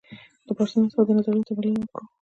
له پرسونل سره د نظریاتو تبادله وکړو.